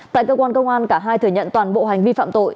tại cơ quan công an cả hai thừa nhận toàn bộ hành vi phạm tội